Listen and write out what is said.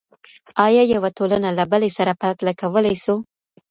آیا یوه ټولنه له بلې سره پرتله کولی سو؟